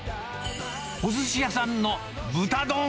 おすし屋さんの豚丼。